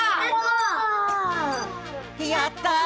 やった！